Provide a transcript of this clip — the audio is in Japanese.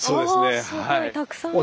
あすごいたくさんある。